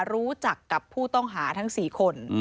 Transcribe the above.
รู้จักกับผู้ต้องหาทั้ง๔คน